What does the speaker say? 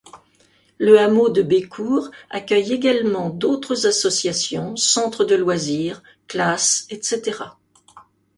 Le hameau de Bécours accueille également d'autres associations, centres de loisirs, classes, etc.